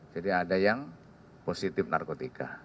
jadi ada yang positif narkotika